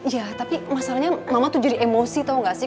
ya tapi masalahnya mama tuh jadi emosi tau gak sih